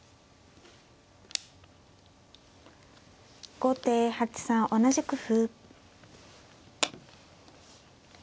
後手８三同じく歩。